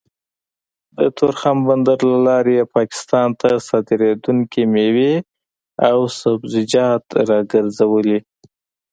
د تورخم بندر له لارې يې پاکستان ته صادرېدونکې مېوې او سبزيجات راګرځولي